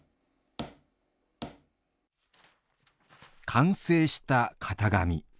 完成した型紙。